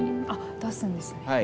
あ出すんですね。